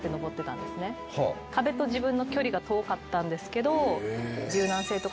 壁と自分の距離が遠かったんですけど。